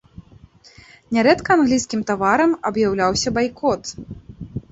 Нярэдка англійскім таварам аб'яўляўся байкот.